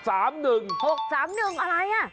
๖๓๑อะไรน่ะ